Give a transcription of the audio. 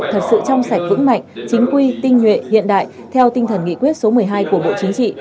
thật sự trong sạch vững mạnh chính quy tinh nhuệ hiện đại theo tinh thần nghị quyết số một mươi hai của bộ chính trị